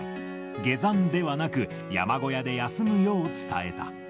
下山ではなく、山小屋で休むよう伝えた。